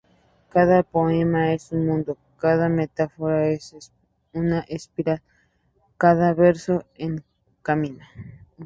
Cada poema es un mundo, cada metáfora una espiral, cada verso, un camino.